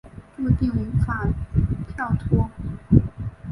注定无法跳脱